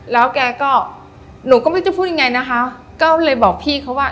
แล้วแกก็หนูก็ไม่รู้จะพูดยังไงนะคะก็เลยบอกพี่เขาว่า